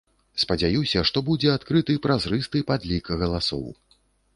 Спадзяюся, што будзе адкрыты, празрысты падлік галасоў.